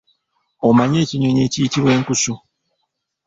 Omanyi ekinyonyi ekiyitibwa enkusu?